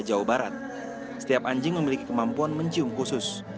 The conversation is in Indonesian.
jawa barat setiap anjing memiliki kemampuan mencium khusus